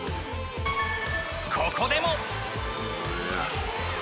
ここでも。